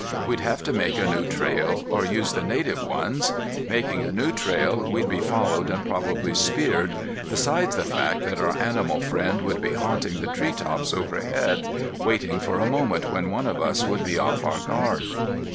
We'd have to make a new trail, or use the native ones. Making a new trail, we'd be followed and probably speared, besides the fact that our animal friend would be haunting the treetops overhead, waiting for a moment when one of us would be off our guard."